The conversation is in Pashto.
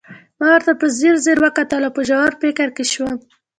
ما ورته په ځیر ځير وکتل او په ژور فکر کې شوم